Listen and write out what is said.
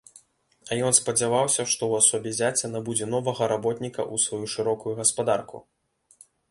А ён спадзяваўся, што ў асобе зяця набудзе новага работніка ў сваю шырокую гаспадарку.